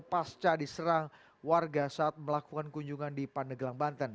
pasca diserang warga saat melakukan kunjungan di pandeglang banten